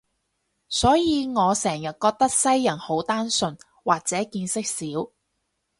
所以我成日覺得西人好單純，或者見識少